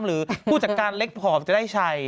หรือผู้จัดการเล็กหอบจะได้ชัย